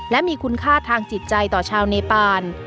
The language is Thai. และมีคุณค่าทางจิตใจต่อชาวเนปาน